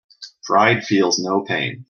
Pride feels no pain.